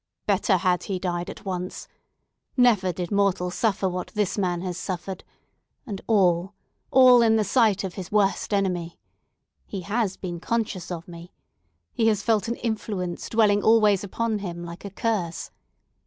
"Better had he died at once! Never did mortal suffer what this man has suffered. And all, all, in the sight of his worst enemy! He has been conscious of me. He has felt an influence dwelling always upon him like a curse.